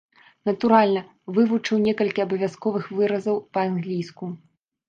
Натуральна, вывучыў некалькі абавязковых выразаў па-англійску.